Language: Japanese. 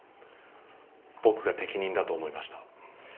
僕が適任だと思いました。